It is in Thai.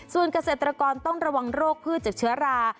ส่วนเกษตรกรต้องระวังโรคพืชจากเชื้อรา